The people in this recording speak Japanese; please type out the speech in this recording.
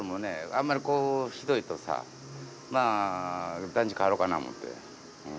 あんまりこうひどいとさまあ団地かわろうかな思て。